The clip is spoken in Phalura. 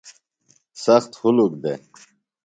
سخت ہُلک دےۡ۔